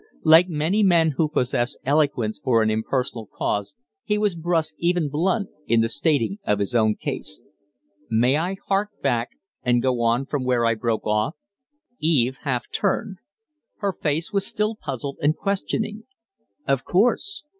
Like many men who possess eloquence for an impersonal cause, he was brusque, even blunt, in the stating of his own case. "May I hark back, and go on from where I broke off?" Eve half turned. Her face was still puzzled and questioning. "Of course."